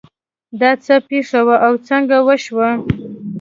دا څه پېښه وه او څنګه وشوه